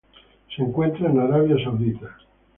Se encuentra en Arabia Saudita.